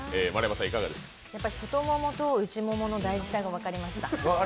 外ももと内ももの大事さが分かりました。